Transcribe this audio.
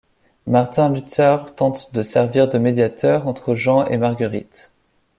Martin Luther tente de servir de médiateur entre Jean et Marguerite.